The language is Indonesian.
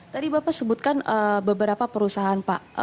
tadi bapak sebutkan beberapa perusahaan pak